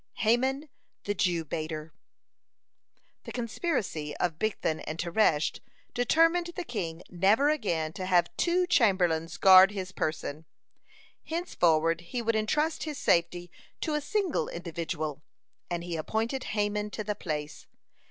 (91) HAMAN THE JEW BAITER The conspiracy of Bigthan and Teresh determined the king never again to have two chamberlains guard his person. Henceforward he would entrust his safety to a single individual, and he appointed Haman to the place.